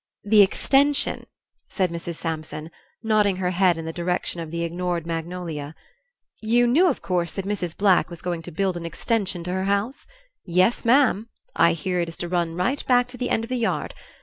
"The extension," said Mrs. Sampson, nodding her head in the direction of the ignored magnolia. "You knew, of course, that Mrs. Black was going to build an extension to her house? Yes, ma'am. I hear it is to run right back to the end of the yard.